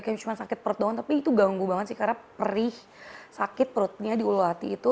kayak cuma sakit perut doang tapi itu ganggu banget sih karena perih sakit perutnya di ulu hati itu